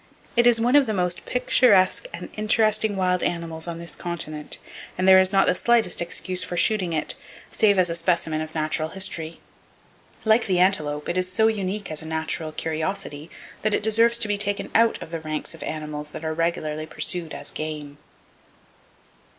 It is one of the most picturesque and interesting wild animals on this continent, and there is not the slightest excuse for shooting it, save as a specimen of natural history. Like the antelope, it is so unique as a natural curiosity that it deserves to be taken out of the ranks of animals that are regularly pursued as game.